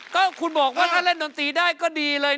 ก็คุณบอกว่าถ้าเล่นดนตรีได้ก็ดีเลย